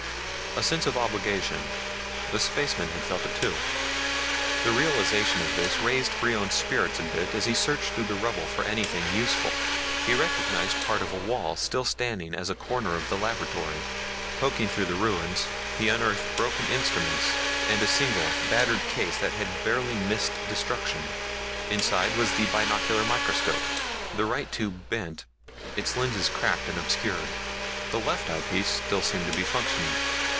A sense of obligation the spacemen had felt it too. The realization of this raised Brion's spirits a bit as he searched through the rubble for anything useful. He recognized part of a wall still standing as a corner of the laboratory. Poking through the ruins, he unearthed broken instruments and a single, battered case that had barely missed destruction. Inside was the binocular microscope, the right tube bent, its lenses cracked and obscured. The left eyepiece still seemed to be functioning.